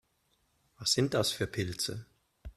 Was sind das für Pilze?